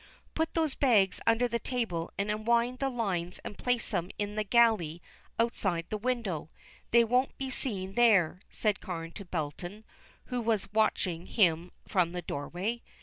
"Put those bags under the table, and unwind the lines and place them in the gallery outside the window. They won't be seen there," said Carne to Belton, who was watching him from the doorway.